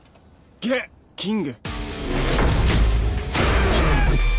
ゲッキング！